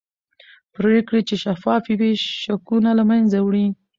پرېکړې چې شفافې وي شکونه له منځه وړي